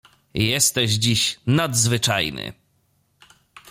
"Jesteś dziś nadzwyczajny."